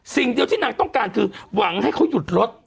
สิ่งเดียวที่นางต้องการคือหวังให้เขาหยุดรถ